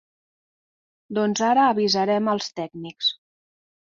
Doncs ara avisarem els tècnics.